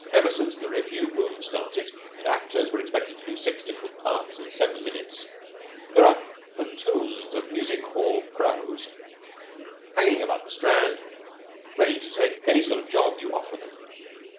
Ever since the Revue boom started and actors were expected to do six different parts in seven minutes, there are platoons of music hall 'pros' hanging about the Strand, ready to take on any sort of job you offer them.